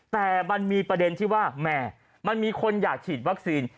แต่มันมีประเด็นที่ว่าแหม่มันมีคนอยากฉีดวัคซีน